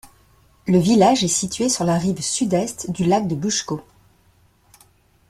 Le village est situé sur la rive sud-est du lac de Buško.